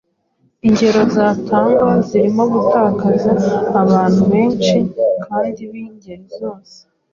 Ingero zatangwa zirimo gutakaza abantu benshi kandi b’ingeri zose.